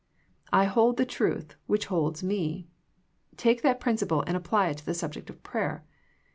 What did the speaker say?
I hold the truth which holds me. Take that prin ciple and apply it to this subject of prayer.